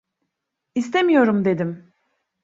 İstemiyorum dedim.